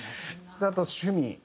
あと趣味。